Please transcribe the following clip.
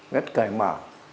rất cởi mở